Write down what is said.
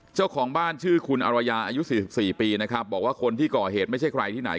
เจ้าของบ้านชื่อคุณอรยาอายุ๔๔ปีนะครับบอกว่าคนที่ก่อเหตุไม่ใช่ใครที่ไหน